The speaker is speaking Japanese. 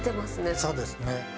そうですね。